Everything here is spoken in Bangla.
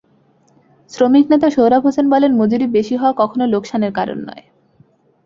শ্রমিকনেতা সোহরাব হোসেন বলেন, মজুরি বেশি হওয়া কখনো লোকসানের কারণ নয়।